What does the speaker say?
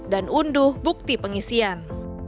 dan unduh bukti pengisian